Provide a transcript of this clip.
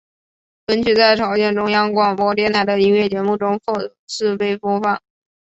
本曲在朝鲜中央广播电台的音乐节目中多次被播放。